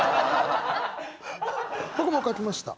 僕も書きました。